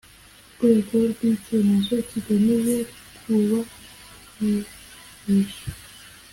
rwego rw icyemezo kigamije kubahirisha